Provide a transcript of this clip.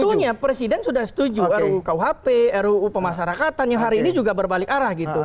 sebetulnya presiden sudah setuju rukuhp ruu pemasarakatan yang hari ini juga berbalik arah gitu